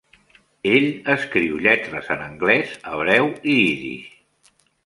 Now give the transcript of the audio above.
Ell escriu lletres en anglès, hebreu i ídix.